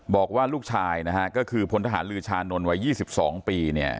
บอกว่าลูกชายนะฮะก็คือพลทหารลือชานนท์วัย๒๒ปีเนี่ย